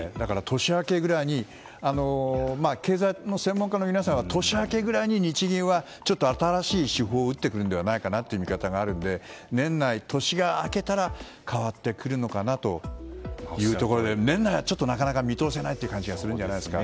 年明けぐらいに経済の専門家の皆さんは年明けぐらいに日銀は、ちょっと新しい手法を打ってくるのではという見方があるので年内、年が明けたら変わってくるのかなというところで年内はなかなか見通せないんじゃないですか。